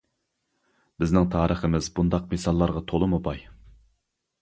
بىزنىڭ تارىخىمىز بۇنداق مىساللارغا تولىمۇ باي.